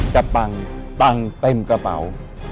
จะปังเป็นกระเป๋า